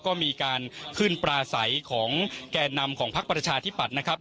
ก็มีการขึ้นปลาใสของแก่นำของพักประชาธิปัตย์นะครับ